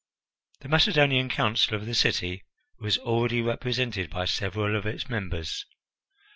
The Macedonian Council of the city was already represented by several of its members.